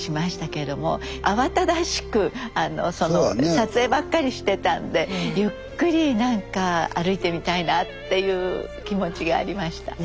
撮影ばっかりしてたんでゆっくり何か歩いてみたいなっていう気持ちがありました。